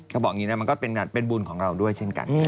เขาบอกอย่างนี้นะมันก็เป็นบุญของเราด้วยเช่นกัน